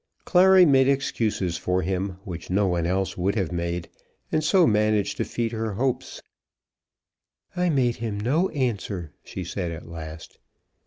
Clary made excuses for him which no one else would have made, and so managed to feed her hopes. "I made him no answer," she said at last.